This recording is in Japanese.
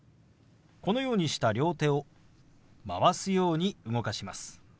このようにした両手を回すように動かします。